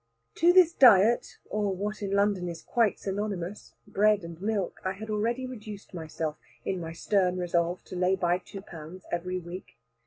To this diet, or what in London is quite synonymous, bread and milk, I had already reduced myself, in my stern resolve to lay by two pounds every week.